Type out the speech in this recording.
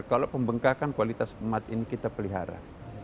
kalau pembengkakan kualitas umat ini kita pelihara